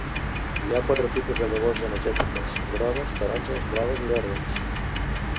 Hi ha quatre tipus de llavors energètiques: grogues, taronges, blaves i verdes.